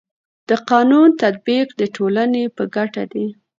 د قانونو تطبیق د ټولني په ګټه دی.